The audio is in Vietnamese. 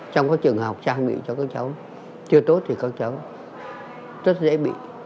trong các trường học trang bị cho các cháu chưa tốt thì các cháu rất dễ bị